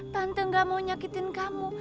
panteng gak mau nyakitin kamu